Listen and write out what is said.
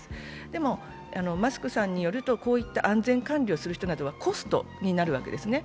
でも、マスクさんによるとこういった安全管理をする人などはコストになるわけですね。